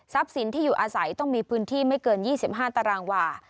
สินที่อยู่อาศัยต้องมีพื้นที่ไม่เกิน๒๕ตารางวา